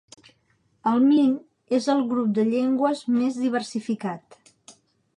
El min és el grup de llengües més diversificat.